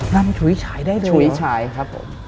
ลำฉุยฉายได้เลยเหรอ